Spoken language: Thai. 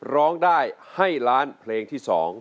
ร้องได้ให้ล้านเพลงที่๒